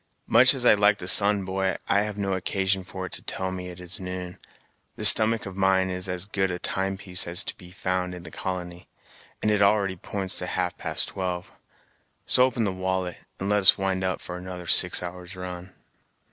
Much as I like the sun, boy, I've no occasion for it to tell me it is noon; this stomach of mine is as good a time piece as is to be found in the colony, and it already p'ints to half past twelve. So open the wallet, and let us wind up for another six hours' run."